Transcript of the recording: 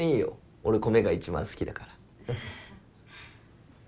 俺米が一番好きだから。